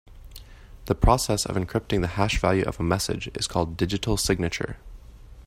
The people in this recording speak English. The process of encrypting the hash value of a message is called digital signature.